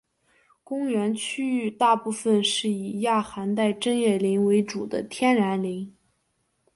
公园区域大部分是以亚寒带针叶林为主的天然林。